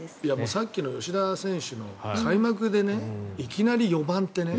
さっきの吉田選手の開幕でいきなり４番ってね